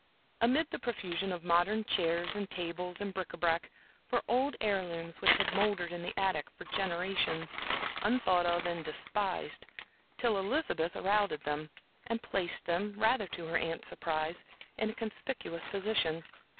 Amid the profusion of modern chairs and tables and bric à brac were old heirlooms which had mouldered in the attic for generations, un thought of and despised, till Elizabeth routed them out and placed them, rather to her aunts' surprise, in a conspicuous position.